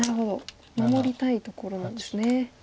守りたいところなんですね。